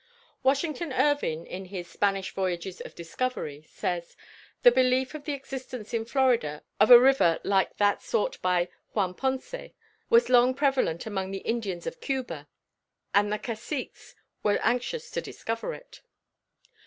Washington Irving in his "Spanish Voyages of Discovery" says: "The belief of the existence in Florida, of a river like that sought by Juan Ponce, was long prevalent among the Indians of Cuba, and the caciques were anxious to discover it."